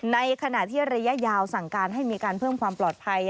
ในขณะที่ระยะยาวสั่งการให้มีการเพิ่มความปลอดภัย